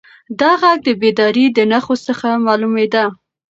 دا غږ د بیدارۍ د نښو څخه معلومېده.